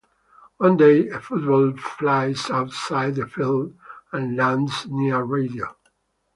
One day, a football flies outside the field and lands near Radio.